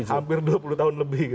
hampir dua puluh tahun lebih